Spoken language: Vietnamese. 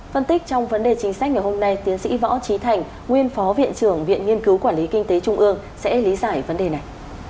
phân tích trong vấn đề chính sách ngày hôm nay tiến sĩ võ trí thành nguyên phó viện trưởng viện nghiên cứu quản lý kinh tế trung ương sẽ lý giải vấn đề này